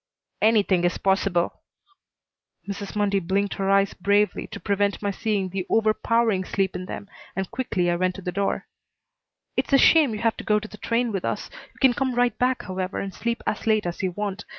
"Anything is possible." Mrs. Mundy blinked her eyes bravely to prevent my seeing the overpowering sleep in them, and quickly I went to the door. "It's a shame you have to go to the train with us. You can come right back, however, and sleep as late as you want.